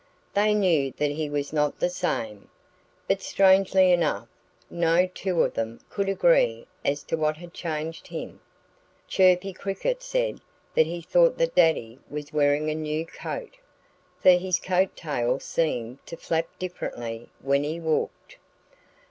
They knew that he was not the same. But strangely enough, no two of them could agree as to what had changed him. Chirpy Cricket said that he thought that Daddy was wearing a new coat, for his coat tails seemed to flap differently when he walked.